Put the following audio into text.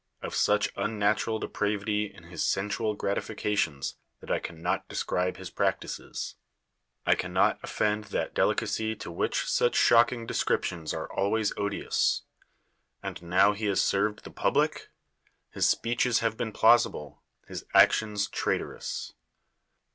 Of such unnatural depravity in his sensual grati fications that I can not describe his practises ; I cannot offend that delicacy to which such shocking descriptions are always odious. And how has he served the public? His speeches have been plausible, his actions traitorous.